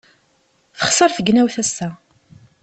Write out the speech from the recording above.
Texṣer tegnewt ass-a.